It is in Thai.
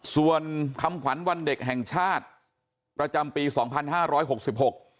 ส่วนคำขวัญวันเด็กแห่งชาติประจำปีสองพันห้าร้อยหกสิบหก